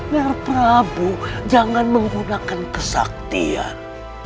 biar prabu jangan menggunakan kesaktian